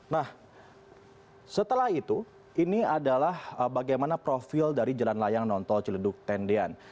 nah setelah itu ini adalah bagaimana profil dari jalan layang nontol ciledug tendian